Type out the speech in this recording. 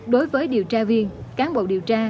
đối với điều tra viên cán bộ điều tra